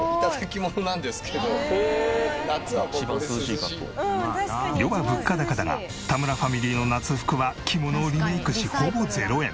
「一番涼しい格好」世は物価高だが田村ファミリーの夏服は着物をリメイクしほぼ０円。